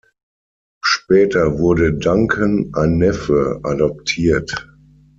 Später wurde Duncan, ein Neffe, adoptiert.